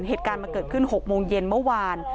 เหตุการณ์มันเกิดขึ้น๖โมงเย็นเมื่อวาน